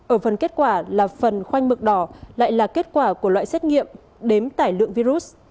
ở phần kết quả là phần khoanh mực đỏ lại là kết quả của loại xét nghiệm đếm tải lượng virus